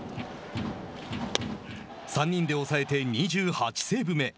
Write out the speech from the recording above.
３人で抑えて２８セーブ目。